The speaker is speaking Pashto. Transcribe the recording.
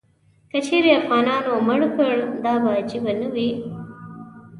که چیرې افغانانو مړ کړ، دا به عجیبه نه وي.